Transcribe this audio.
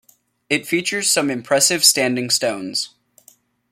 It features some impressive standing stones.